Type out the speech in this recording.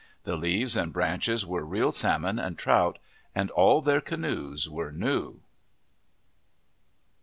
The leaves and branches were real salmon and trout, and all their canoes were new.